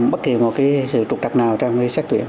bất kỳ một cái sự trục đập nào trong cái sách tuyển